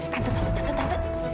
tante tante tante